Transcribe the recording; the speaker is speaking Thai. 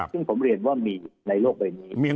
ซึ่งผมเรียนว่ามีอยู่ในโลกใบนี้